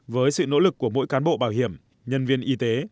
với sự nỗ lực của mỗi cán bộ bảo hiểm nhân viên y tế